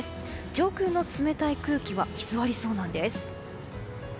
上空の冷たい空気は居座りそうなんです。